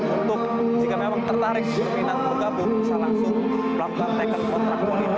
untuk jika memang tertarik berminat bergabung bisa langsung melakukan taken kontrak politik